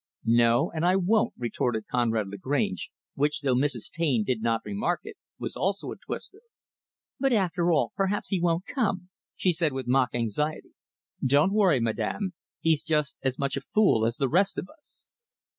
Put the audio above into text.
"No, and I won't," retorted Conrad Lagrange which, though Mrs. Taine did not remark it, was also a twister. "But after all, perhaps he won't come," she said with mock anxiety. "Don't worry madam he's just as much a fool as the rest of us."